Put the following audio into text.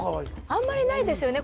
あんまりないですよね